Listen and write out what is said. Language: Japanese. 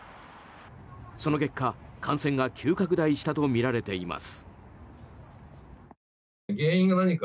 その結果、感染が急拡大したとみられています。